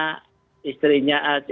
sesuai pemilikan namanya